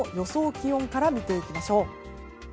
気温から見ていきましょう。